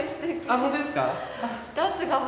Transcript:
本当ですか？